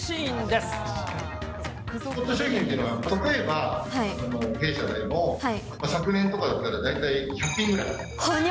スポット商品というのは、例えば弊社でも、昨年とかだったら、大体１００品ぐらい。はにゃ？